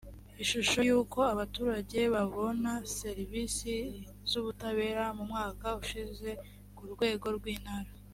ishusho y’uko abaturage babona serivisi z’ubutabera mu mwaka ushize ku rwego rw’intara